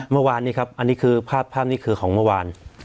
เมื่อวานนี้ครับอันนี้คือภาพนี้คือของเมื่อวาน